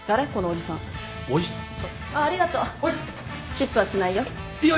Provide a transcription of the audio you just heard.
チップはしないよ。